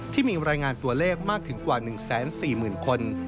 ที่มีรายงานตัวเลขมากถึงกว่า๑๔๐๐๐คน